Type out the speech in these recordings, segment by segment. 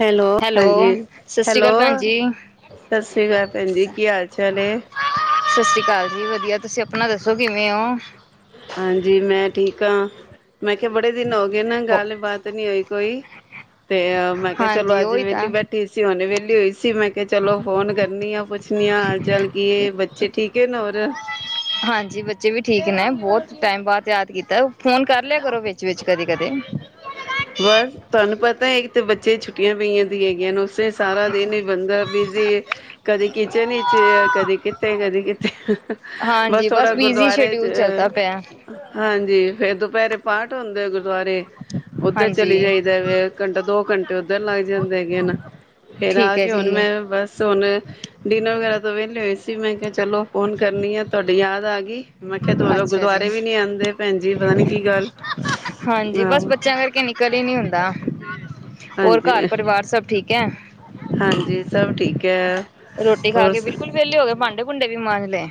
Hello ਹਾਂਜੀ ਸਤਿ ਸ਼੍ਰੀ ਹੈਲੋ ਅਕਾਲ ਭੈਣ ਜੀ। ਸਤਿ ਸ੍ਰੀ ਅਕਾਲ ਭੈਣ ਜੀ, ਕੀ ਸਤਿ ਹਾਲ ਚਾਲ ਐ? ਸ਼੍ਰੀ ਅਕਾਲ ਜੀ ਵਧੀਆ ਤੁਸੀਂ ਆਪਣਾ ਦੱਸੋ ਕਿਵੇਂ ਹੋ? ਹਾਂਜੀ ਮੈਂ ਠੀਕ ਹਾਂ, ਮੈਂ ਕਿਹਾ ਬੜੇ ਦਿਨ ਹੋ ਗਏ ਨਾ ਗੱਲਬਾਤ ਨਹੀਂ ਹੋਈ ਕੋਈ, ਅਤੇ ਮੈਂ ਕਿਹਾ ਚਲੋ ਹਾਂਜੀ ਅੱਜ ਉਹੀ ਵਿਹਲੀ ਤਾਂ ਬੈਠੀ ਸੀ ਹੁਨੇ ਵਿਹਲੀ ਹੋਈ ਸੀ ਮੈਂ ਕਿਹਾ ਚਲੋ ਫੋਨ ਕਰਨੀ ਆ। ਪਛਨੀਆਂ, ਜਲ ਕੀ ਏ ਬੱਚੇ ਠੀਕ ਏ ਨਾ [inaudible] ਹਾਂਜੀ ਬੱਚੇ ਵੀ ਠੀਕ ਨੇ। ਬੌਤ ਟਾਈਮ ਬਾਦ ਯਾਦ ਕੀਤਾ ਫੋਨ ਕਰ ਲਿਆ ਕਰੋ ਵਿੱਚ-ਵਿਚ, ਕਦੇ-ਕਦੇ। ਤਾਂ ਇੱਕ ਤੇ ਬੱਚੇ ਛੁੱਟੀਆਂ ਪਈਆਂ ਦੀ ਹੈਗੀਆਂ ਨੇ ਓਸ ਸੇ ਸਾਰਾ ਦਿਨ ਈ ਬੰਦਰ ਬਿਜ਼ੀ ਕਦੀ ਕਿਚਨ ਚ, ਕਦੀ ਕਿੱਥੇ, ਕਦੀ ਕਿੱਥੇ। ਬਸ ਹਾਂਜੀ ਥੋੜਾ ਬਿਜੀ ਗੁਰਦੁਆਰੇ ਚ ਸ਼ਡਿਊਲ ਚੱਲਦਾ ਪਿਆ ਹਾਂਜੀ। ਫਿਰ ਦੁਪੈਰੇ ਪਾਠ ਹੁੰਦੇ ਓ ਗੁਰ ਦੁਆਰੇ ਓੱਧਰ ਹਾਂਜੀ ਚਲੀ ਜਾਈਦਾ ਫੇਰ ਘੰਟਾ ਦੋ ਘੰਟੇ ਓੱਧਰ ਲੱਗ ਜਾਂਦੇ ਐਗੇ ਨਾ ਫਿਰ ਆ ਠੀਕ ਹੈ ਕੇ ਹੁਣ ਜੀ ਮੈਂ ਬਸ ਹੁਣ ਡਿਨਰ ਵਗੈਰਾ ਤੋਂ ਵੇਲੇ ਹੋਏ ਮੈਂ ਕਿਹਾ ਚਲੋ ਫੋਨ ਕਰਨੀ ਆ ਤੁਹਾਡੀ ਯਾਦ ਆ ਗਈ। ਮੈਂ ਕਿਆ ਦੋਦੋ ਅੱਛਾ ਜੀ ਗੁਰਦੁਆਰੇ ਵੀ ਨੀ ਆਂਦੇ ਭੈਣ ਜੀ ਪਤਾ ਨੀ ਕੀ ਗੱਲ ਹਾਂਜੀ ਬਸ ਆਹੋ ਬੱਚਿਆਂ ਕਰਕੇ ਨਿਕਲ ਈ ਨੀ ਹੁੰਦਾ। [unintelligible] ਹੋਰ ਘਰ ਹਾਂਜੀ ਪਰਿਵਾਰ ਸਭ ਠੀਕ ਹੈ। ਕੇ [unintelligible] ਰੋਟੀ ਖਾ ਕੇ ਬਿਲਕੁਲ ਵੇਲੇ ਹੋ ਗਏ ਭਾਂਡੇ ਭੁੰਡੇ ਵੀ ਮਾਂਜਲੇ?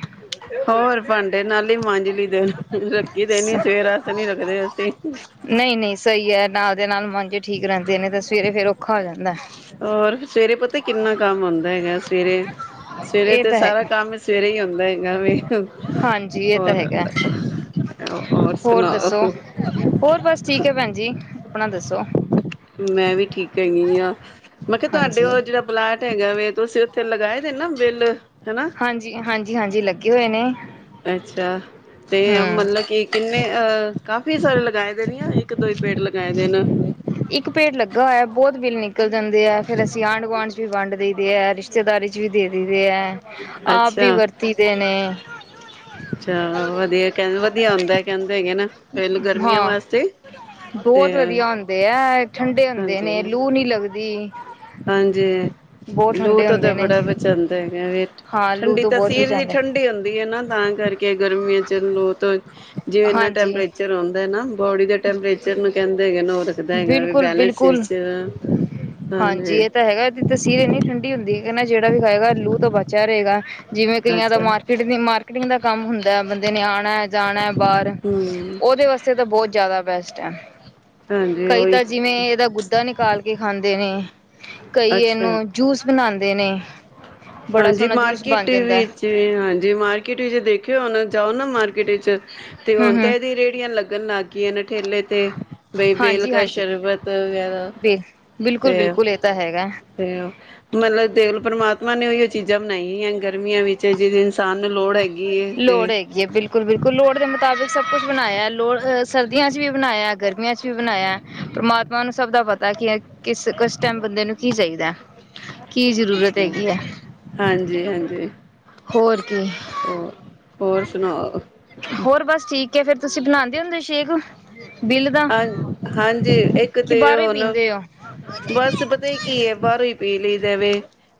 ਹੋਰ ਭਾਂਡੇ ਨਾਲ ਹੀ ਮਾਂਜਲੀ ਦਿਲ। ਅਸੀਂ ਨਈ ਨਈ ਸਹੀ ਹੈ ਨਾਲ ਦੇ ਨਾਲ ਮਨਜੇ ਠੀਕ ਰਹਿੰਦੇ ਨੇ ਤਾਂ ਸਵੇਰੇ ਫੇਰ ਉਹ ਖਾਂ ਹੋ ਜਾਂਦਾ ਐ। ਹੋਰ ਸਵੇਰ ਪਤਾ ਕਿੰਨਾ ਕੰਮ ਹੁੰਂਦਾ ਹੈਗਾ ਸਵੇਰੇ, ਸਵੇਰੇ ਇਹ ਤੇ ਤਾਂ ਹੈ ਸਾਰਾ ਕੰਮ ਸਵੇਰੇ ਹੀ ਹੁੰਦਾ ਹੈਗਾ ਵੇ, ਹਾਂਜੀ ਇਹ ਤਾਂ ਐਰ ਹੈਗਾ -ਐਰ ਹੋਰ ਸੁਣਾਓ। ਦੱਸੋ ਦ ਸੌ [unintelligible] ਮੈਂ ਵੀ ਠੀਕ ਹੈਗੀ ਆ। ਮੈਂ ਕਿਹਾ ਤੁਹਾਡੇ ਹਾਂਜੀ ਵਲ ਜਿਹੜਾ ਪਲਾਟ ਹੈਗਾ ਵੇ ਤੁਸੀਂ ਉੱਥੇ ਲਗਾਏ ਦੇ ਨਾ ਬਿੱਲ? ਹਨਾ ਹਾਂਜੀ ਹਾਂਜੀ ਹਾਂਜੀ ਲੱਗੇ ਹੋਏ ਨੇ ਅੱਛਾ ਤੇ ਹਮ ਮਤਲਬ ਕਿ ਕਿੰਨੇ ਅਹ ਕਾਫੀ ਸਾਰੇ ਲਗਾਏ ਦੇ ਇੱਕ ਦੋ ਹੀ ਪੇੜ ਲਗਾਏ ਦੇ ਨੇ। ਇੱਕ ਪੇੜ ਲੱਗਾ ਹੋਇਆ ਬਹੁਤ ਬਿੱਲ ਨਿਕਲ ਜਾਂਦੇ ਆ। ਫੇਰ ਆਂਢ ਗੁਆਂਢ ਚ ਵੀ ਵੰਡ ਦਈਦੇ ਐ। ਰਿਸ਼ਤੇਦਾਰੀ 'ਚ ਵੀ ਦੇ ਦਈ, ਹੈ ਆਪ ਵੀ ਅੱਛਾ ਵਰਤੀ ਦੇ ਨੇ। ਵਧੀਆ ਕਹਿੰਦੇ, ਵਧੀਆ ਹੁੰਦਾ ਕਹਿੰਦੇ ਹੈਗੇ ਹਨ। ਹਾਂ, ਤੇ ਬਹੁਤ ਵਧੀਆ ਹੁੰਦੇ ਹੈ। ਠੰਡੇ ਹੁੰਦੇ ਨੇ, ਹਾਂਜੀ ਲੂ ਨੀ ਲੱਗਦੀ। ਹਾਂਜੀ, ਬਹੁਤ ਲੂ ਠੰਡੇ ਤੋਂ ਤੇ ਹੁੰਦੇ ਨੇ। ਬੜਾ ਬਚਾਂਦਾ ਹੈਗਾ ਵੇ। ਹਾਂ ਲੂ ਠੰਡੀ ਤੋਂ ਤਾਂ, ਬਹੁਤ ਸੀਰ ਦੀ ਬਚਾਉਂਦਾ ਠੰਢਡੀ ਹੁੰਦੀ ਹੈ ਨਾ, ਤਾਂ ਗਰਮੀਆਂ ਚੱਲੋ ਤਾਂ, ਜੇ ਇੰਨਾ ਹਾਂਜੀ ਟੈਂਪਰੇਚਰ ਉਂਦਾ ਨਾ। ਬੋਡੀ ਦੇ ਟੈਂਪਰੇਚਰ ਨੂੰ ਕਹਿੰਦੇ, ਹੈਗੇ ਨੇ ਉਹ ਰੱਖਦਾ ਹੈਗਾ ਵੀ ਬੈਲੈਂਸ ਬਿਲਕੁਲ-ਬਿਲਕੁਲ ਵਿੱਚ ਹਾਂਜੀ, ਇਹ ਤਾਂ ਹੈਗਾ ਇਹਦੀ ਤਸੀਰ ਇੰਨੀ ਠੰਡੀ ਹੁੰਦੀ ਹੇ। ਕਹਿੰਦੇ ਜਿਹੜਾ ਵੀ ਖਾਏਗਾ, ਲੂਹ ਤੋਂ ਬਚਿਆ ਰਹੇਗਾ। ਜਿਵੇਂ ਕਈਆਂ ਦਾ ਅੱਛਾ ਮਾਰਕੀਟ, ਮਾਰਕੀਟਿੰਗ ਦਾ ਕੰਮ ਹੁੰਦਾ ਹੈ, ਬੰਦੇ ਨੇ ਆਉਣਾ ਹੈ, ਜਾਣਾ ਐ ਬਾਹਰ ਹੂੰ, ਉਹਦੇ ਵਾਸਤੇ ਤਾਂ ਬਹੁਤ ਜ਼ਿਆਦਾ ਬੈਸਟ ਹੈ। ਹਾਂਜੀ ਕਈ ਉਹੀ ਤਾਂ ਜਿਵੇਂ ਇਹਦਾ ਗੁੱਦਾ ਨਿਕਾਲ ਕੇ ਖਾਂਦੇ ਨੇ। ਕਈ ਅੱਛਾ ਇਹਨੂੰ ਜੂਸ ਬਣਾਉਂਦੇ ਨੇ ਬੜਾ ਹਾਂਜੀ, ਸੋਹਣਾ ਜੂਸ ਮਾਰਕੀਟ ਬਣ ਜਾਂਦਾ ਵਿੱਚ, ਹਾਂਜੀ ਮਾਰਕੀਟ ਵਿੱਚ ਦੇਖਿਓ ਜਾਓ ਨਾ, ਮਾਰਕੀਟ ਵਿਚ, ਤੇ ਹਮ ਹੁਣ ਹਮ ਤੇ ਇਹਦੀ ਰੇਹੜੀਆਂ ਲੱਗ ਨਗਣ ਲਗ ਗੀਆਂ ਨੇ। ਠੇਲੇ ਤੇ ਬਈ ਬੇਲ ਹਾਂਜੀ ਕਾ ਹਾਂਜੀ ਸ਼ਰਬਤ ਵਗੈਰਾ ਬਿਲ ਬਿਲਕੁਲ ਤੇ ਬਿਲਕੁਲ ਇਹ ਤਾਂ ਹੈਗਾ ਤੇ ਮਤਲਬ ਦੇਖ ਪਰਮਾਤਮਾ ਨੇ ਵੀ ਉਹ ਚੀਜ਼ਾਂ ਬਣਾਈ ਹੋਆਂ ਗਰਮੀਆਂ ਵਿੱਚ ਜਿਦੀ ਇਨਸਾਨ ਨੂੰ ਲੋੜ ਹੈਗੀ। ਏ ਤੇ ਲੋੜ ਹੈਗੀ ਹੇ। ਬਿਲਕੁਲ, ਬਿਲਕੁਲ। ਲੋੜ ਦੇ ਮੁਤਾਬਿਕ ਸਭ ਕੁਛ ਬਣਾਇਆ ਲੋੜ ਅਹ ਸਰਦੀਆਂ 'ਚ ਵੀ ਬਣਾਇਆ ਗਰਮੀਆਂ ਚ ਵੀ ਬਣਾਇਆ। ਪਰਮਾਤਮਾ ਆਪਾਂ ਨੂੰ ਸਭ ਦਾ ਪਤਾ ਕੀ ਹੈ ਕਿਸ ਕੁ ਟਾਈਮ ਬੰਦੇ ਨੂੰ ਕੀ ਚਾਹੀਦਾ। ਕੀ ਜਰੂਰਤ ਹੈਗੀ ਹੈ। ਹਾਂਜੀ ਹਾਂਜੀ ਹੋਰ ਕੀ ਹੋਰ ਹੋਰ ਸੁਣਾਓ ਹੋਰ ਬਸ ਠੀਕ ਹੈ। ਫਿਰ ਤੁਸੀਂ ਬਣਾਉਦੇ ਹੁੰਦੇ ਸ਼ੇਕ, ਬਿੱਲ ਦਾ ਹਾਂ ਹਾਂਜੀ। ਇੱਕ ਕਿ ਤੇ ਬਾਹਰੋਂ ਹੀ ਹੁਣ, ਪੀਂਦੇ ਹੋ ਬਸ ਪਤਾ ਕੀ ਹੈ। ਬਾਹਰੋਂ ਹੀ ਪੀ ਲਈ [unintelligible] ਵੇ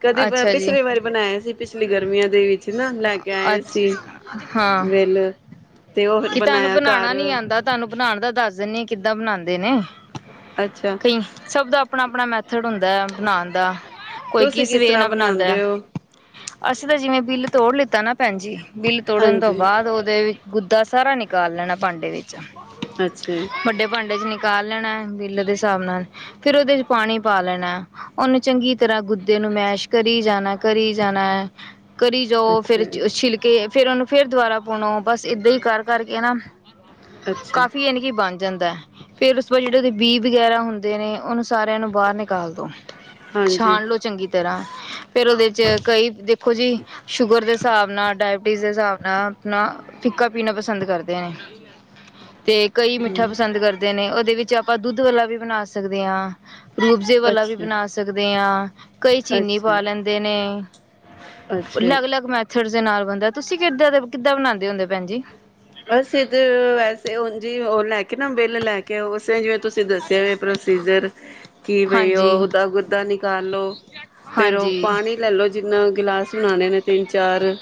ਕਦੀ ਮੈਂ, ਅੱਛਾ ਜੀ ਪਿਛਲੀ ਵਾਰੀ ਬਣਾਇਆ ਸੀ। ਪਿਛਲੀ ਗਰਮੀਆਂ ਦੇ ਵਿੱਚ ਨਾ ਲੈ ਕੇ ਆਏ ਅੱ ਸੀ ਹਾਂ ਬਿਲ ਤੇ ਉਹ ਕਿ ਤੁਹਾਨੂੰ ਬਣਾਇਆ ਬਣਾਉਣਾ ਘਰ ਨੀ ਆਉਂਦਾ ਤੁਹਾਨੂੰ ਬਣਾਉਣ ਦਾ ਦੱਸ ਦੇਨੀ ਆ, ਕਿੱਦਾਂ ਬਣਾਉਂਦੇ ਨੇ। ਅੱਛਾ ਕਈ ਸਭ ਦਾ ਆਪਣਾ ਆਪਣਾ ਮੈਥਡ ਹੁੰਦਾ ਹੈ ਬਣਾਉਣ ਦਾ ਕੋਈ ਤੁਸੀਂ ਕਿਸ ਸਵੇ ਤਰ੍ਹਾਂ ਨਾਲ ਬਣਾਉਂਦਾ ਹੈ ਬਣਾਉਂਦੇ ਹੋ ਅਸੀਂ ਤਾਂ ਜਿਵੇਂ ਬਿੱਲ ਤੋੜ ਲਿੱਤਾ ਪਤਾ ਨਾ ਭੈਣ ਜੀ ਬਿੱਲ ਤੋੜਨ ਤੋਂ ਹਾਂਜੀ ਬਾਅਦ ਉਹਦੇ ਦਾ ਸਾਰਾ ਨਿਕਾਲ ਲੈਣਾ ਭਾਂਡੇ ਵਿੱਚ ਅੱਛਾ ਵੱਡੇ ਭਾਂਡੇ ਚ ਨ ਪਕਾ ਲੈਣਾ ਬਿੱਲ ਦੇ ਹਿਸਾਬ ਨਾਲ ਫੇਿਰ ਉਹਦੇ ਚ ਪਾਣੀ ਪਾ ਲੈਣਾ ਉਹਨੂੰ ਚੰਗੀ ਤਰ੍ਹਾਂ ਗੁ ਦੇ ਨੁਮਾਇਸ਼ ਕਰੀ ਜਾਣਾ ਕਰੀ ਜਾਣਾ ਕਰੀ ਜਾਓ ਫੇਰ ਅੱਛਾ ਛਿੱਲਕੇ ਫ਼ਿਰਰ ਉਹਨੂੰ ਫੇਰ ਦੁਬਾਰਾ ਆਪੁਣੋ ਬਸ ਏਦਾਂ ਹੀ ਕਰ ਕਰਕੇ ਨਾ ਅੱਛਾ, ਕਾਫੀ ਇਹਨ ਕਿ ਬਣ ਜਾਂਦਾ ਫੇਰ ਉਸ ਬਾਅਦ ਜਿਹੜੇ ਉਹਦੇ ਬੀ ਵਗੈਰਾ ਹੁੰਦੇ ਨੇ ਉਹਨੂੰ ਸਾਰਿਆਂ ਨੂੰ ਬਾਹਰ ਨਿਕਾਲ ਦੋ ਹਾਂਜੀ ਛਾਣ ਲਓ ਚੰਗੀ ਤਰ੍ਹਾਂ ਫੇਰ ਉਹਦੇ ਚ ਕਈ ਦੇਖੋ ਜੀ ਸ਼ੂਗਰ ਦੇ ਹਿਸਾਬ ਨਾਲ ਡਾਇਬਟੀਜ਼ ਦੇ ਹਿਸਾਬ ਨਾਲ ਆਪਣਾ ਫਿੱਕਾ ਪੀਣਾ ਪਸੰਦ ਕਰਦੇ ਨੇ ਤੇ ਕਈ ਮਿੱਠਾ ਪਸੰਦ ਕਰਦੇ ਨੇ ਉਹਦੇ ਵਿੱਚ ਆਪ ਆਪਾਂ ਦੁੱਧ ਵਾਲਾ ਵੀ ਬਣਾ ਸਕਦੇ ਹਾਂ ਗਬਜ਼ੇ ਵਾਲਾ ਵੀ ਅੱਛਾ, ਬਣਾ ਸਕਦੇ ਹਾਂ ਕਈ ਚੀਨੀ ਅੱਛਾ, ਪਾ ਲੈਂਦੇ ਨੇ ਅੱਛਾ ਜੀ। ਅਲੱਗ ਅਲੱਗ ਮੈ ਪੱਥੜ ਦੇ ਨਾਲ ਬੰਦਾ ਤੁਸੀਂ ਕਿੱਦਾਂ ਦੇ ਕਿੱਦਾਂ ਬਣਾਉਂਦੇ ਹੁੰਦੇ ਭੈਣ ਜੀ ਬਸ ਇਧਰ ਵੈਸੇ ਹਣ ਜੀ ਉਹ ਲੈ ਕੇ ਨਾ ਬਿੱਲ ਲੈ ਕੇ ਜਿਵੇਂ ਤੁਸੀਂ ਦੱਸਿਆ ਹੋ ਪ੍ਰੋਸੀਜਰ ਕੀ ਬਈ ਹਾਂਜੀ ਓਦਾ ਗੁਦਾ ਨਿਕਾਲ ਲੋ ਫਿਰ ਉਹ ਹਾਂਜੀ ਪਾਣੀ ਲੈਲੋ ਜਿੰਨਾ ਗਿਲਾਸ ਸੁਣਾਣੇ ਨੇ ਤਿੰਨ ਚਾਰ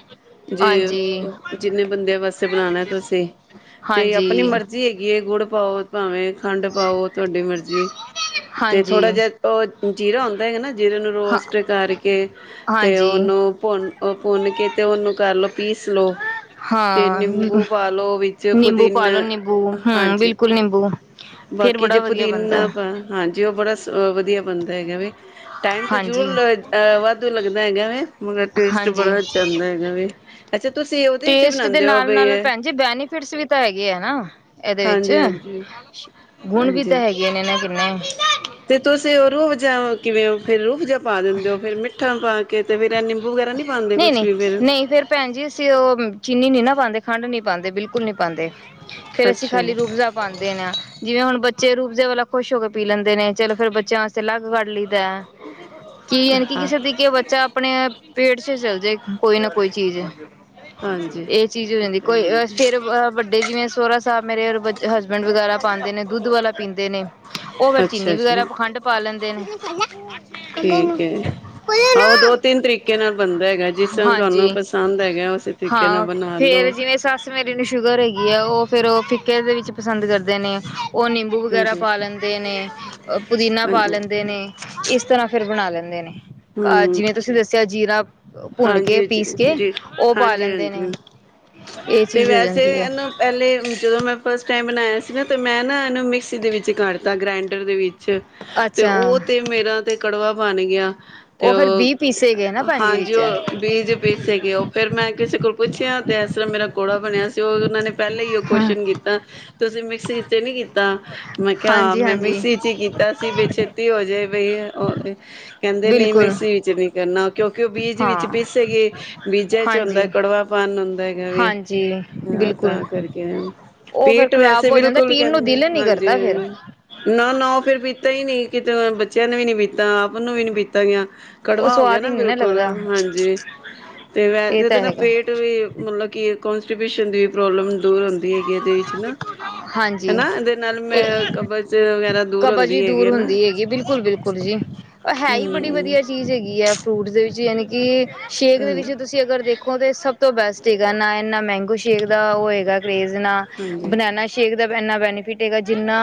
ਜੇ ਹਾਂਜੀ ਜਿੰਨੇ ਬੰਦੇ ਵਾਸਤੇ ਬਣਾਉਣਾ ਤੁਸੀਂ ਤੇ ਆਪਣੀ ਹਾਂਜੀ ਮਰਜ਼ੀ ਹੈਗੀ ਗੁੜ ਪਾਓ ਭਾਵੇਂ ਖੰਡ ਪਾਓ ਤੁਹਾਡੀ ਮਰਜ਼ੀ ਤੇ ਥੋੜਾ ਹਾਂਜੀ ਜਿਹਾ ਉਹ ਜੀਰਾ ਆਉਂਦਾ ਹੈਗਾ ਨਾ ਜਿਹਨ ਹਾਂ ਰੋਸਟ ਕਰਕੇ ਅਤੇ ਹਾਂਜੀ ਉਹਨੂੰ ਭਨ ਉਹ ਫੋਨ ਕੀਤੇ ਉਹਨੂੰ ਕਰ ਲਓ ਪੀਸ ਲਓ ਅਤੇ ਹਾਂ ਨਿੰਬੂ ਪਾ ਲਓ ਵਿੱਚ ਨਿੰਬੂ ਪੁਦੀਨ ਪਾਲੋ ਨਿੰਬੂ ਹਮ ਹਾਂਜੀ ਬਿਲਕੁਲ ਨਿੰਬੂ ਫੇਰ ਬਾਕੀ ਜੇ ਬੜਾ ਵਧੀਆ ਬਣਦਾ ਪੁਦੀਨਾ ਹਾਂਜੀ ਉਹ ਬੜਾ। ਸ ਵਧੀਆ ਬਣਦਾ ਹੈਗਾ ਵੀ। ਟਾਈਮ ਤੇ ਹਾਂਜੀ ਜ਼ਰੂਰ ਵਾਧੂ ਲੱਗਦਾ ਹੈਗਾ ਹੈ ਮਗਰ ਟੇਸਟ ਹਾਂਜੀ ਬੜਾ ਅਛਾ ਆਉਂਦਾ ਹੈਗਾ ਵੀ ਅੱਛਾ ਤੁਸੀਂ ਉਹਦੇ ਵਿੱਚ ਟੇਸਟ ਦੇ ਬਣਾਉਂਦੇ ਹੋ ਨਾਲ ਬਈ ਨਾਲ ਭੈਣ ਜੀ ਬੈਨੀਫਿਟਸ ਵੀ ਤਾਂ ਹੈਗੇ ਆ ਨਾ ਇਹਦੇ ਵਿੱਚ ਹਾਂਜੀ ਹਾਂਜੀ ਗੁਣ ਵੀ ਤਾਂ ਹਾਂਜੀ ਹੈਗੇ ਨੇ ਨਾ ਕਿੰਨੇ ਤੁਸੀਂ ਤੇ ਉਹ ਰੋਹਬ ਜਾ ਕਿਵੇਂ ਫਿਰ ਰੋਹਬ ਜਾ ਪਾ ਦਿੰਦੇ ਹੋ ਫਿਰ ਮਿੱਠਾ ਪਾ ਕੇ ਤੇ ਫਿਰ ਇਹ ਨਿੰਬੂ ਵਗੈਰਾ ਨੀ ਨਹੀਂ ਨਹੀਂ ਨਹੀਂ ਫਿਰ ਭੈਣ ਜੀ ਅਸੀਂ ਉਹ ਚੀਨੀ ਨੀ ਨਾ ਪਾਉਂਦੇ ਖੰਡ ਨੀ ਪਾਉਂਦੇ ਬਿਲਕੁਲ ਨਹੀਂ ਪਾਉਂਦੇ ਫਿਰ ਅਸੀਂ ਅੱਛਾ ਖਾਲੀ ਜੀ ਰੂ ਅਫਜਾ ਦਾ ਪਾਉਂਦੇ ਹਾਂ ਜਿਵੇਂ ਹੁਣ ਬੇ ਰੂਬਜ਼ੇ ਵਾਲਾ ਖੁਸ਼ ਹੋ ਕੇ ਪੀ ਲੈਂਦੇ ਨੇ ਚਲੋ ਫੇ ਬਿਆਂ ਵਾਸਤੇ ਅਲੱ ਕੱਢ ਲਈ ਦਾ ਕੀ ਯਾਨੀ ਕਿ ਹਾਂ ਕਿਸੇ ਦੀ ਕਿ ਬੱਚਾ ਆਪਣੇ ਪੇੜ [unintelligible] ਕੋਈ ਨਾ ਕੋਈ ਚੀਜ਼ ਹਾਂਜੀ ਇਹ ਚੀਜ਼ ਹੋ ਜਾਂਦੀ ਕੋਈ ਫਿਰ ਵੱਡੇ ਜਿਵੇਂ ਸੋਹਰਾ ਸਾਹਿਬ ਮੇਰੇ ਹਸਬੈਂਡ ਵਗੈਰਾ ਪਾਉਂਦੇ ਨੇ ਦੁੱਧ ਵਾਲਾ ਪੀਂਦੇ ਨੇ ਉਹ ਫਿਰ ਅੱਛਾ ਚੀਨੀ ਜੀ ਵਗੈਰਾ ਖੰਡ ਪਾ ਲੈਂਦੇ ਨੇ ਠੀਕ ਹੈ ਆਹੋ ਦੋ ਤਿੰਨ ਤਰੀਕੇ ਨਾਲ ਬਣਦਾ ਹੈਗਾ ਜਿਸ ਤਰ੍ਹਾਂ ਹਾਂਜੀ ਤੁਹਾਨੂੰ ਪਸੰਦ ਹੈਗਾ ਉਸੇ ਤਰੀਕੇ ਨਾਲ ਹਾਂ ਬਣਾ ਲਓ ਹੈ ਉਹ ਫਿਰ ਉਹ ਫਿੱਕੇ ਦੇ ਵਿੱਚ ਪਸੰਦ ਕਰਦੇ ਨੇ। ਉਹ, ਨਿੰਬੂ ਵਗੈਰਾ ਹਾਂਜੀ ਪਾ ਲੈਂਦੇ ਨੇ, ਪੁਦੀਨਾ ਪਾ ਹਾਂਜੀ ਲੈਂਦੇ ਨੇ, ਇਸ ਉਸ ਤਰ੍ਹਾਂ ਫਿਰ, ਬਣਾ ਲੈਂਦੇ ਨੇ। ਅਹ ਹਮ ਜਿਵੇਂ ਤੁਸੀਂ ਦੱਸਿਆ ਜੀਰਾ, ਭੁੰਨ ਕੇ ਹਾਂਜੀ। ਜੀ, ਪੀਸ ਕੇ ਜੀ, ਉਹ ਪਾ ਹਾਂਜੀ- ਲੈਂਦੇ ਨੇ ਹਾਂਜੀ ਇਹ ਤੇ, ਚੀਜ਼ ਹੋ ਵੈਸੇ ਜਾਂਦੀ ਹੈ ਇਹਨੂੰ ਪਹਿਲੇ ਜਦੋਂ ਮੈਂ ਟਾਈਮ ਬਣਾਇਆ ਸੀ। ਨਾ ਤਾਂ, ਮੈਂ ਨਾ ਇਹਨੂੰ ਮਿਕਸੀ ਦੇ ਵਿੱਚ ਕੱਢਤਾ ਗ੍ਰੈਂਡਰ ਦੇ ਵਿੱਚ ਤੇ, ਅੱਛਾ ਉਹ ਤੇ, ਮੇਰਾ ਤੇ ਕੜਵਾ ਬਣ ਗਿਆ। ਤੇ, ਫਿਰ ਉਹ ਵੀਹ ਪੀਸੇ ਗਏ ਨਾ ਭਾਂਜੀ ਹਾਂਜੀ। ਵਿੱਚ ਉਹ ਬੀਜ ਪੀਸੇਗੇ ਉਹ ਫੇਰ, ਮੈਂ ਕਿਸੇ ਕੋਲ ਪੁੱਛਿਆ ਤੇ, ਇਸ ਤਰ੍ਹਾਂ ਮੇਰਾ ਕੌੜਾ ਬਣਿਆ ਸੀ, ਉਹ ਉਹਨਾਂ ਨੇ ਪਹਿਲਾਂ ਹੀ, ਉਹ ਹਾਂ ਕੁਸ਼ਚਨ ਕੀਤਾ ਤੁਸੀਂ ਮਿਕਸੀ ਤੇ ਨਹੀਂ ਕੀਤਾ। ਤਾਂ। ਮੈਂ ਕਿਹਾ ਹਾਂਜੀ ਮੈਂ ਹਾਂਜੀ ਮਿਕਸੀ'ਚ ਹੀ, ਕੀਤਾ ਸੀ, ਬੇ ਛੇਤੀ ਹੋਜੇ ਵਹੀ ਹੈ ਰ [inaudible] ਕਦੇ ਨਹੀਂ ਬਿਲਕੁਲ ਮਿਕਸੀ ਵਿੱਚ ਨਹੀਂ ਕਰਨਾ ਕਿਉਂਕਿ ਉਹ ਬੀਜ ਵਿੱਚ ਹਾਂ ਪੀਸੇਗੇ, ਬੀਜਾਂ'ਚ ਹਾਂਜੀ ਹੁੰਦਾ ਕੜਵਾਪਾਨ ਹੁੰਦਾ ਹੈਗਾ, ਹਾਂਜੀ ਬੀਜਾ ਬਿਲਕੁਲ ਤਾਂ ਕਰਕੇ ਉਹ ਫਿਰ ਪੇਟ ਵੈਸੇ ਖ਼ਰਾਬ ਹੋ ਜਾਂਦਾ ਬਿਲਕੁਲ ਪੀਣ ਨੂੰ ਕਹਿੰਦੇ ਦਿਲ ਨੀ ਹਾਂਜੀ ਕਰਦਾ ਫਿਰ ਨਾ, ਨਾ ਉਹ ਫਿਰ ਪੀਤਾ ਹੀ ਨੀ, ਕਿਤੇ ਬੱਚਿਆਂ ਨੇ ਵੀ ਨੀ ਪੀਤਾ, ਮੰਨੁ ਵੀ ਨੀ ਪੀਤ [unintelligible] ਉਹ ਕੜਵਾਂ ਹੋ ਗਿਆ ਸਵਾਦ ਨਾ, ਹੀ ਨੀ ਬਿਲਕੁਲ। ਲੱਗਦਾ ਹਾਂਜੀ, ਤੇ ਇਹ ਵੈਸੇ, ਤੇ ਤਾਂ ਨਾ ਹੈਗਾ ਪੇਟ ਵੀ ਮਤਲਬ ਕਿ ਕੋਲਸ ਡਿਪਰੈਸ਼ਨ ਦੀ ਪ੍ਰੋਬਲਮ ਦੂਰ ਹੁੰਦੀ ਹੈਗੀ, ਇਹਦੇ ਵਿੱਚ ਹਨਾ ਹਾਂਜੀ ਹਨਾ, ਇਹਦੇ ਨਾਲ ਮੈਂ ਕਬਜ ਵਗੈਰਾ ਦੂਰ ਕਬਜ ਵੀ ਹੁੰਦੀ ਹੈਗੀ ਦੂਰ ਨਾ ਹੁੰਦੀ ਹੈਗੀ, ਬਿਲਕੁਲ-ਬਿਲਕੁਲ ਜੀ। ਹੈ ਬੜੀ ਹਮ ਵਧੀਆ ਚੀਜ਼ ਹੈਗੀ ਹੈ, ਫਰੂਟਸ ਦੇ ਵਿੱਚ [unintelligible] ਕਿ ਸ਼ੇਕ ਦੇ ਹਮ ਵਿੱਚ ਤੁਸੀਂ ਅਗਰ ਵੇਖੋ ਤੇ, ਸਭ ਸਭ ਤੋਂ ਬੈਸਟ ਚੀਚ ਹੈ, ਨਾ ਇਨਾ ਮੈਂਗੋ ਸ਼ੇਕ ਦਾ ਉਹ ਹੋਏਗਾ ਕਰੇਜ, ਨਾ ਹਾਂਜੀ ਬਨਾਨਾ ਸ਼ੇਕ ਜਬ ਇੰਨਾ ਬੈਨੀਫਿਟ ਹੈਗਾ ਜਿਨਾ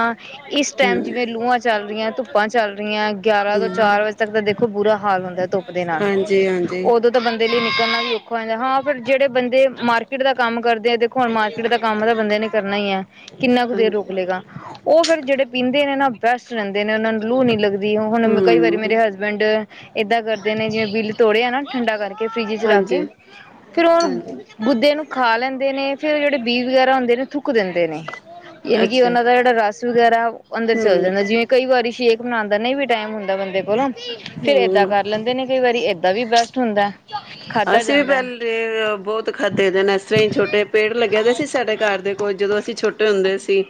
ਟਾਈਮ ਹਮ ਜਿਵੇਂ ਲੂਹਾਂ ਚੱਲ ਰਹੀਆਂ ਤੁਪ ਧੂਪਾਂ ਚੱਲ [unintelligible] ਗਿਆਰਾਂ ਤੋਂ, ਹਮ ਚਾਰ ਵਜੇ ਤੱਕ ਤਾਂ, ਦੇਖੋ ਪੂਰਾ ਹਾਲ ਹੁੰਦਾ ਧੁੱਪ ਦੇ ਨਾਲ ਹਾਂਜੀ ਹਾਂਜੀ ਉਦੋ ਤਾਂ ਬੰਦੇ ਲਈ ਕਰਨਾ ਵੀ ਔਖਾ ਹੋ ਜਾਂਦਾ, ਹਾਂ, ਫਿਰ ਜਿਹੜੇ ਬੰਦੇ ਮਾਰਕੀਟ ਦਾ ਕੰਮ ਕਰਦੇ ਆ, ਦੇਖੋ ਹੁਣ ਮਾਰਕੀਟ ਦਾ ਕੰਮ ਤਾਂ ਬੰਦੇ ਨੇ ਕਰਨਾ ਹੀ ਹੈ। ਕਿੰਨਾ ਕੁ ਦੇਰ ਰੋਕ ਹਾਂਜੀ ਲੇਗਾ। ਉਹ ਫਿਰ ਜਿਹੜੇ ਪੀਂਦੇ ਨੇ ਨਾ ਬੈਸਟ ਰਹਿੰਦੇ ਨੇ ਉਹਨਾਂ ਨੂੰ ਲੂ ਨੀ ਲੱਗਦ ਹੁਣ ਕਈ ਵਾਰ ਹਮ ਮੇਰੇ ਹਸਬੈਂਡ ਇਦਾਂ ਕਰਦੇ ਨੇ ਜਿਵੇਂ ਬਿੱਲ ਤੋੜਿਆ ਨਾ ਠੰਡਾ ਕਰਕੇ ਫਰਿਜ ਚ ਰੱਖ ਕੇ ਹਾਂਜੀ ਫਿਰ ਉਹ ਹਾਂਜੀ ਗੁੱਦੇ ਨੂੰ ਖਾ ਲੈਂਦ ਨੇ ਫਿਰ ਜਿਹੜੇ ਬੀਜ ਵਗੈਰਾ ਹੁੰਦੇ ਨੇ ਥੁੱਕ ਦਿੰਦੇ ਨੇ ਯਾਨੀ ਕਿ ਅੱਛਾ ਉਹਨਾਂ ਦਾ ਜਿਹੜਾ ਰਸ ਵਗੈਰਾ ਅੰਦਰ ਚਲ ਹੂੰ ਜਾਂਦਾ ਜਿਵੇਂ ਕਈ ਵਾਰੀ ਸੇਕ ਬਣਾਉਣ ਦਾ ਨਹੀਂ ਵੀ ਟਾਈਮ ਹੁੰਦਾ ਬੰਦੇ ਕੋਲੋਂ ਫਿਰ ਏਦਾਂ ਹਮ ਕਰ ਲੈਂਦੇ ਨੇ ਕਈ ਵਾਰੀ ਏਦਾਂ ਵੀ ਬੈਸਟ ਹੁੰਦਾ ਖਾਧਾ ਅਸੀਂ ਵੀ ਜਾਂਦਾ ਪਹਿਲੇ ਬਹੁਤ ਖਾਦੇੇ ਦੇ ਨੇ ਇਸ ਤਰ੍ਹਾਂ ਹੀ ਛੋਟੇ ਪੇੜ ਲੱਗਿਆ ਦਾ ਸੀ ਸਾਡੇ ਘਰ ਦੇ ਕੋਲ ਜਦੋਂ ਅਸੀਂ ਛੋਟੇ ਹੁੰਦੇ ਸੀ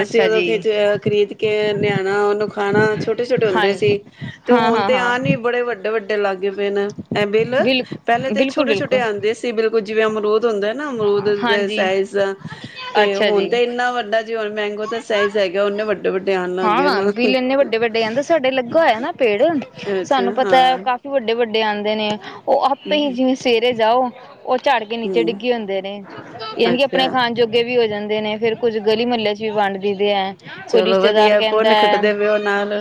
ਅਸੀਂ ਅੱਛਾ ਉਦੋਂ ਜੀ ਖਰੀਦ ਕੇ ਲਿਆ ਨਾ ਉਦੋਂ ਖਾਣਾ ਛੋਟੇ ਛੋਟੇ ਹਾਂ ਹੁੰਦੇ ਸੀ। ਤੇ ਹਾਂ ਹੁਣ ਹਾਂ ਤੇ ਹਾਂ ਆ ਨੀ ਬੜੇ ਵੱਡੇ ਵੱਡੇ ਲੱਗ ਗਏ [unintelligible] ਐ ਬਿਲ ਪਹਿਲੇ ਬਿਲਕੁਲ ਤੇ ਬਿਲਕੁਲ ਛੋਟੇ ਛੋਟੇ ਬਿਲਕੁਲ ਆਉਂਦੇ ਸੀ ਬਿਲਕੁਲ ਜਿਵੇਂ ਅਮਰੂਦ ਹੁੰਦਾ ਨਾ ਅਮਰੂਦ ਦੇ ਹਾਂਜੀ ਸਾਈਜ ਦਾ ਤੇ ਅੱਛਾ ਹੁਣ ਜੀ ਤੇ ਇੰਨਾ ਵੱਡਾ ਜਿਵੇਂ ਮੈਂਗੋ ਦਾ ਸਾਈਜ ਹੈਗਾ ਉਨਾ ਵੱਡਾ ਹਾਂ ਵੀੀ ਲ ਇੰਨੇ ਵੱਡੇ ਵੱਡੇ ਕਹਿੰਦੇ ਸਾਡੇ ਲੱਗੇ। ਇਆ ਨਾ ਪੇੜ ਸਾਨੂੰ ਅੱਛਾ ਪਤਾ ਹਾਂ ਕਾਫ਼ੀ ਵੱਡੇ ਵੱਡੇ ਆਉਂਦੇ ਨੇ। ਉਹ ਆਪੇ ਹੀ ਜਿਵੇਂ ਸਵੇਰੇ ਜਾਓ [unintelligible] ਝੜ ਕੇ ਨੀਚੇ ਹੂੰ ਡਿੱਗੇ ਹੁੰਦੇ ਨੇ ਯੀ ਕਿ ਆਪਣੇ ਅੱਛਾ ਖਾਣ ਜੋਗੇ ਵੀ ਹੋ ਜਾਂਦੇ ਨੇ ਫੇਰ ਕੁੱਝ ਗਲੀ ਮਹੱਲੇ ਚ ਵੀ ਵੰਡ ਦਦੇ ਹੈ। ਕੋਈ ਚਲੋ ਵਧੀਆ। ਰਿਸ਼ਤੇਦਾਰ ਕਹਿੰਦਾ ਭੁੰਨ ਹੈ ਖਟਦੇ ਪਿਓ ਨਾਲ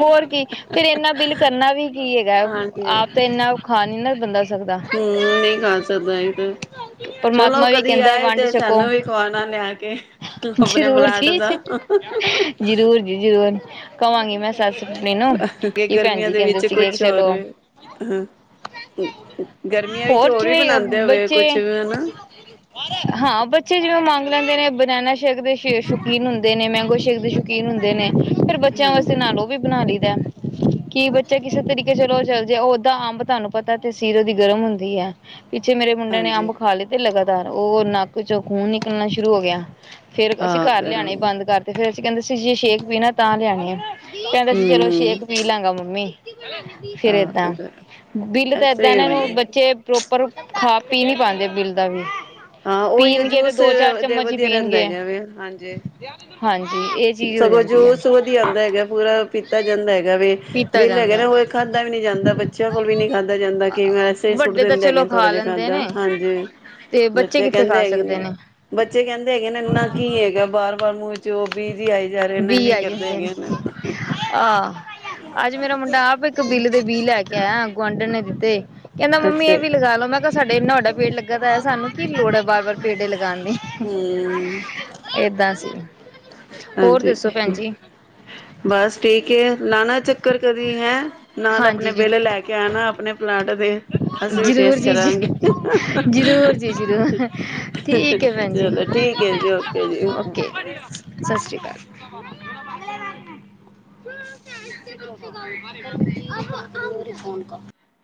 ਹੋਰ ਕੀ ਫੇਰ ਇੰਨਾ ਬਿੱਲ ਕਰਨਾ ਵੀ ਕੀ ਹੈਗਾ ਹਾਂਜੀ ਆਪ ਤਾਂ ਇੰਨਾ ਖਾ ਨੀ ਨਾ ਬੰਦਾ ਸਕਦਾ ਹਮ ਨਹੀਂ ਖਾ ਸਕਦਾ ਇਹ ਤੇ ਚਲੋ ਪਰਮਾਤਮਾ ਵੀ ਕਦੀ ਕਹਿੰਦਾ ਆਏ ਵੰਡ ਤੇ ਛਕੋ ਸਾਨੂੰ ਵੀ ਖਵਾਉਣਾ ਲਿਆ ਕੇ ਆਪਣੇ ਜ਼ਰੂਰ ਪਲਾਟ ਦਾ ਜੀ [unintelligible] ਜ਼ਰੂਰ ਜੀ ਜ਼ਰੂਰ। ਕਵਾਂਗੀ ਮੈਂ ਸੱਸ ਆਪਣੇ ਨੂੰ ਕਿ ਭੈਣ ਗਰਮੀਆਂ ਜ ਦੇ ਕਹਿੰਦੇ ਵਿੱਚ ਸੀਗੇ ਕੁਛ ਹੋਰ ਚਲੋ ਹਾਂ ਗਰਮੀਆਂ ਵਿੱਚ ਹੋਰ ਵੀ ਜਿਵੇਂ ਬਣਾਦੇ ਹੋਵੇ ਬੱਚੇ ਕੁਛ ਹਨਾ ਹਾਂ ਬੱਚੇ ਜਿਵੇਂ ਮੰਗ ਲੈਂਦੇ ਨੇ ਬਨੈਾ ਸ਼ੇਕ ਦੇ ਸ਼ੌਕੀਨ ਹੁੰਦੇ ਨੇ ਮੈਂ ਕੁਛ ਦੇ ਸ਼ੌਕੀਨ ਹੁੰਦੇ ਨੇ। ਫਿਰ ਬੱਚਿਆਂ ਵਾਸਤੇ ਹਾਂਜੀ ਨਾਲ ਉਹ ਵੀ ਬਣਾ ਲਈ ਕੀ ਬੱਚਾ ਕਿਸੇ ਤਰੀਕੇ ਚਲੋ ਚਲ ਜਾੇ ਓਦਾ ਅੰਬ ਤੁਹਾਨੂੰ ਪਤਾ ਤੇ ਸੀਰੋ ਦੀ ਗਰਮ ਹੁੰਦੀ ਹੈ। ਪਿੱਛੇ ਮੇਰੇੰਡ ਨੇ ਹਾਂਜੀ ਅੰਬ ਖਾਏ ਤੇ ਲਗਾ ਉਹ ਨੱਕ ਚੋਂ ਖ਼ੂਨ ਨਿਕਲਣਾ ਸ਼ੁਰੂ ਹੋ ਗਿਆ। ਫੇਰ ਅਸੀਂ ਹਾਂ ਘਰ ਗਰਮ ਲਿਆਣੇ ਬੰਦ ਕਰ ਫਿਰ ਅਸੀਂ ਕਹਿੰਦੇ ਸੀ ਜੇ ਸ਼ੇਕ ਪੀਣਾ ਤਾਂ ਲਿਆਣੀ ਆ। ਕਹਿੰਦਾ ਸੀ ਚਲੋ ਹੂੰ ਛੇਕ ਪੀ ਲਾਂਗਾ ਮੰਮੀ। ਫੇਰ ਹਾਂ ਏਦਾਂ ਗਰਮ ਬਿੱਲ ਤਾਂ ਇਸ ਤਰ੍ਹਾਂ ਏਦਾਂ ਹੀ ਇਹਨਾਂ ਨੂੰ ਹੁੰਦਾ ਬੱਚੇ ਪ੍ਰੋਪਰ ਖਾ ਪੀ ਨੀ ਪਾਉਂਦੇ ਬਿਲ ਦਾ ਵੀ। ਹਾਂ ਉਓਹੀ ਪੀਣਗੇ ਤੇ ਜੂਸ ਦੋ ਚਾਰ ਦੇ ਚਮਚ ਹੀ ਵਧੀਆ ਰਹਿੰਦਾ ਪੀਣਗੇ ਹੈਗਾ ਵੀ ਹਾਂਜੀ। ਹਾਂਜੀ। ਇਹ ਚੀਜ਼ ਹੋ ਸਗੋਂ ਜਾਂਦੀ ਹੈ। ਜੋਸ ਵਧੀ ਆਉਂਦਾ ਹੈਗਾ ਪੂਰਾ ਪੀਤਾ ਜਾਂਦਾ ਹੈਗਾ। ਵੀ ਪੀਤਾ ਬਿੱਲ ਹੈਗਾ। ਜਾਂਦਾ ਨਾ ਉਹ ਖਾਧਾ ਵੀ ਨੀ ਜਾਂਦਾ ਬੱਚਿਆਂ ਕੋਲ ਵੀ ਨੀ ਖਾਧਾ ਜਾਂਦਾ ਕਈ ਵਾਰ ਐਸੇ ਸੁੱਟ ਵੱਡੇ ਤਾਂ ਦਿੰਦੇ ਹੈਗੇ ਚਲੋ ਥੋੜਾ ਖਾ ਜਿਹਾ ਲੈਂਦੇ ਖਾਧਾ ਨੇ ਹਾਂਜੀ ਤੇ ਬੱਚੇ ਕਿੱਥੇ ਕਹਿੰਦੇ ਖਾ ਹੈਗੇ ਸਕਦੇ ਨੇ ਬੱਚੇ ਕਹਿੰਦੇ ਹੈਗੇ ਨਾ ਇੰਨਾ ਕੀ ਹੈਗਾ ਬਾਰ ਵਾਰ ਨੂੰ ਜੋੋਗ ਬੀ ਆਈ ਜਾਂਦੇ ਨੇ ਆਹ ਅੱਜ ਮੇਰਾ ਮੁੰਡਾ ਆਪ ਇੱਕ ਬਿੱਲ ਦੇ ਬੀ ਲੈ ਕੇ ਆਇਆ ਗੁਆਂਢਣ ਨੇ ਦਿੱ ਅਤੇ ਕਹਿੰਦਾ ਮੰਮੀ ਅੱਛਾ ਇਹ ਵੀ ਲਗਾ ਲੋਓ ਮੈਂ ਕਿਹਾ ਸਾਡੇ ਇਨਾ ਵਡਾ ਪੇੜ ਲੱਗਾ ਦਾ ਸਾਨੂੰ ਕੀ ਲੋੜ ਹੈ ਬਾਰ ਵਾਰ ਪੇੜੇ ਲਗਾਉਣ ਦੀ ਹੂੰ ਏਦਾਂ ਸੀ। ਹੋਰ ਦੱਸੋ ਹਾਂਜੀ ਭੈਣ ਜੀ ਬਸ ਠੀਕ ਲਾਉਣਾ ਚੱਕਰ ਕਦੀ ਹੈਂ ਨਾਲ ਹਾਂਜੀ ਆਪਣੇ ਬਿੱਲ ਜ਼ਰੂਰ ਲੈ ਕੇ ਆਣਾ ਆਪਣੇ ਪਲਾਾਂਟ ਦੇ ਅਸੀਂ ਵੀ ਜ਼ਰੂਰ ਟੇਸਟ ਜੀ ਜੀ ਕਰਾਂਗੇ ਜ਼ਰੂਰ ਜੀ ਜ਼ਰੂਰ ਠੀਕ ਹੈ ਭੈਣ ਜੀ ਚਲੋ ਠੀਕ ਹੈ ਜੀ ਓਕੇ ਜੀ [unintelligible] ਫੋਨ [unintelligible]